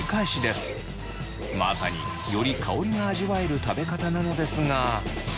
まさにより香りが味わえる食べ方なのですが。